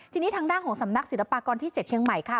ทีนี้ทางด้านของสำนักศิลปากรที่๗เชียงใหม่ค่ะ